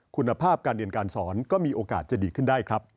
คุณภาพการเรียนการสอนก็มีโอกาสจะดีขึ้นได้ครับ